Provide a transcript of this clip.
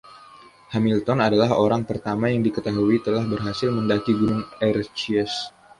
Hamilton adalah orang pertama yang diketahui telah berhasil mendaki Gunung Erciyes.